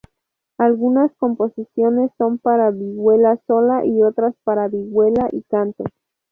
Algunas composiciones son para vihuela sola y otras para vihuela y canto.